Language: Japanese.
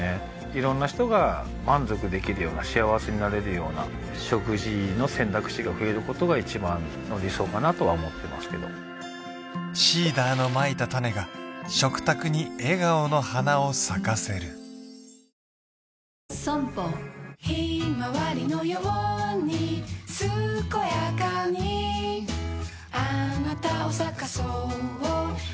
いろんな人が満足できるような幸せになれるような食事の選択肢が増えることが一番の理想かなとは思ってますけどＳｅｅｄｅｒのまいたタネが食卓に笑顔の花を咲かせるひまわりのようにすこやかにあなたを咲かそうひまわり